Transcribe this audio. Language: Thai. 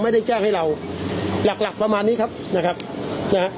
ไม่ได้แจ้งให้เราหลักหลักประมาณนี้ครับนะครับนะฮะ